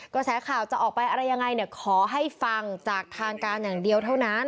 กระแสข่าวจะออกไปอะไรยังไงเนี่ยขอให้ฟังจากทางการอย่างเดียวเท่านั้น